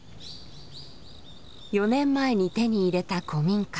４年前に手に入れた古民家。